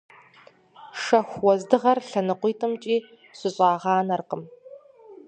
Шэху уэздыгъэр лъэныкъуитӏымкӏи щыщӏагъанэркъым.